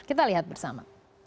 kita lihat bersama